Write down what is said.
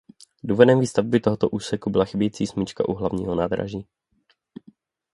Důvodem výstavby tohoto úseku byla chybějící smyčka u hlavního nádraží.